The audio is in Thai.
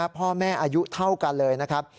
พ่อแม่อายุเท่ากันเลยนะครับ